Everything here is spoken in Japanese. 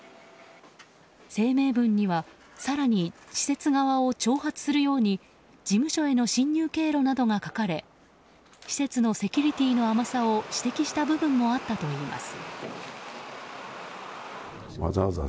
声明文には更に施設側を挑発するように事務所への侵入経路などが書かれ施設のセキュリティーの甘さを指摘した部分もあったといいます。